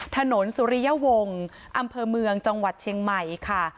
สุริยวงศ์อำเภอเมืองจังหวัดเชียงใหม่ค่ะ